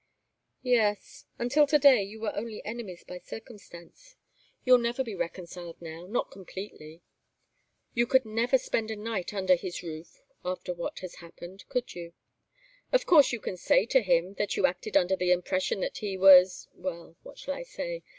"Yes. Until to day you were only enemies by circumstance. You'll never be reconciled, now not completely. You could never spend a night under his roof after what has happened, could you? Of course you can say to him that you acted under the impression that he was well what shall I say?